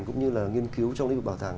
cũng như là nghiên cứu trong lĩnh vực bảo tàng